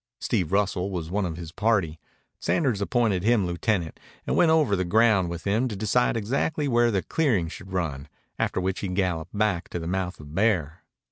Steve Russell was one of his party. Sanders appointed him lieutenant and went over the ground with him to decide exactly where the clearing should run, after which he galloped back to the mouth of Bear.